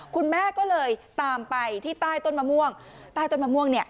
คุณแม่ก็เลยตามไปที่ใต้ต้นมะม่วงใต้ต้นมะม่วงเนี่ย